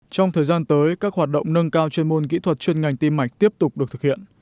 trong thời gian tới các hoạt động nâng cao chuyên môn kỹ thuật chuyên ngành tim mạch tiếp tục được thực hiện